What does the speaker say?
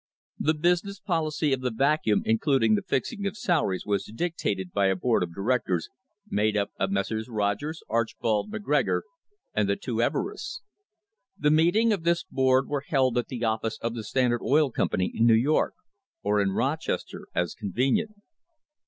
The business policy of the Vacuum, including the fixing of salaries, was dictated by a board of directors made up of Messrs. Rogers, Archbold, McGregor and the two Ever ests. The meetings of this board were held at the office of the THE HISTORY OF THE STANDARD OIL COMPANY Standard Oil Company, in New York or in Rochester, as convenient.